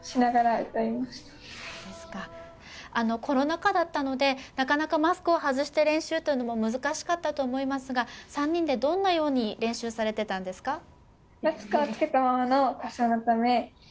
コロナ禍だったのでなかなかマスクを外して練習というのも難しかったと思いますが３人でどんなように練習されてたんですか？